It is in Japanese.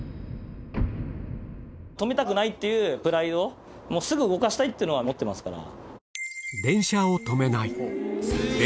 止めたくないっていうプライド、すぐ動かしたいというのは思ってますから。